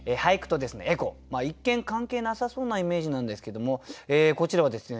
一見関係なさそうなイメージなんですけどもこちらはですね